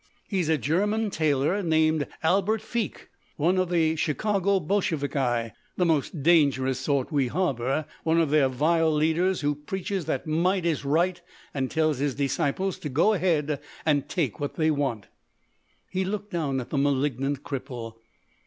"He's a German tailor named Albert Feke—one of the Chicago Bolsheviki—the most dangerous sort we harbour—one of their vile leaders who preaches that might is right and tells his disciples to go ahead and take what they want." He looked down at the malignant cripple.